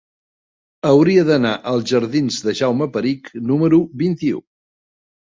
Hauria d'anar als jardins de Jaume Perich número vint-i-u.